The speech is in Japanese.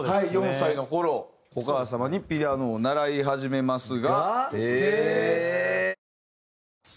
４歳の頃お母様にピアノを習い始めますが。